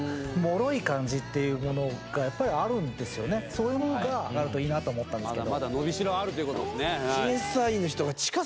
そういうものがあるといいなと思ったんですけど。